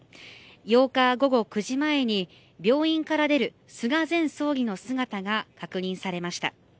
８日午後９時前に病院から出る菅前総理の姿が確認されました。